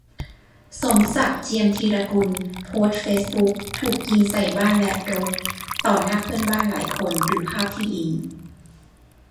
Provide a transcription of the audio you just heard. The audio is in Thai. สมศักดิ์ เจียมธีรสกุล โพสต์เฟซบุ๊ก ถูกยิงใส่บ้านและรถ ต่อหน้าเพื่อนบ้านหลายคน - ดูภาพที่ลิงก์